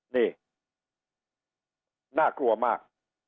นี่น่ากลัวมาก